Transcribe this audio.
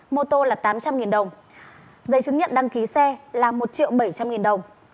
mô tô là tám trăm linh đồng giấy chứng nhận đăng ký xe là một triệu bảy trăm linh nghìn đồng